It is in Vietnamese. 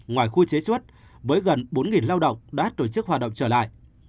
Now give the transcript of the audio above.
ngoài khu chế xuất với gần bốn lao động đã tổ chức hoạt động trở lại